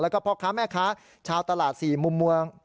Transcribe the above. แล้วก็พ่อค้าแม่ค้าชาวตลาด๔มุมเมือง